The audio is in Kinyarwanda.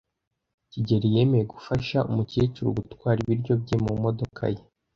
kigeli yemeye gufasha umukecuru gutwara ibiryo bye mumodoka ye.